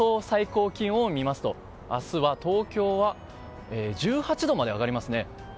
最高気温を見ますと明日は東京は１８度まで上がりますね。